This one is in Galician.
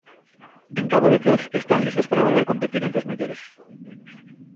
En Cabo de Cruz están listos para volver competir ante os mellores.